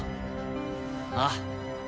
ああ。